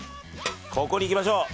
ここにいきましょう。